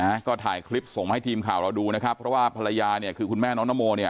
นะฮะก็ถ่ายคลิปส่งมาให้ทีมข่าวเราดูนะครับเพราะว่าภรรยาเนี่ยคือคุณแม่น้องนโมเนี่ย